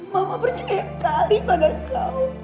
mama berjuang yang tarik pada kau